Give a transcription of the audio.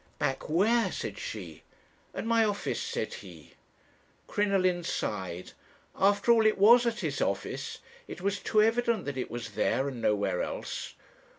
"'Back where?' said she. "'At my office,' said he. "Crinoline sighed. After all, it was at his office; it was too evident that it was there, and nowhere else.